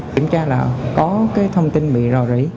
kiểm tra là có thông tin bị rò rỉ